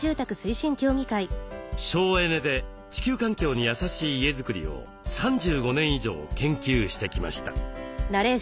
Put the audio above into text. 省エネで地球環境に優しい家づくりを３５年以上研究してきました。